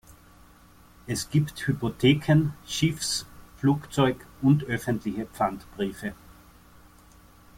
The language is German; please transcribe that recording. Es gibt Hypotheken-, Schiffs-, Flugzeug- und Öffentliche Pfandbriefe.